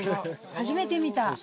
初めて見た。